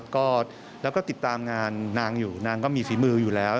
ก็ตามงานนางอยู่นางก็มีฝีมืออยู่แล้ว